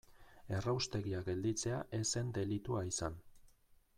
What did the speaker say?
Erraustegia gelditzea ez zen delitua izan.